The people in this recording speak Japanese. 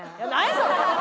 それ！